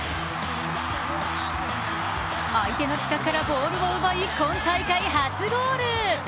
相手の死角からボールを奪い今大会初ゴール。